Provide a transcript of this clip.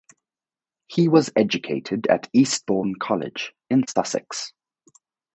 He was educated at Eastbourne College in Sussex.